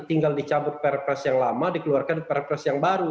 tinggal dicabut perpres yang lama dikeluarkan perpres yang baru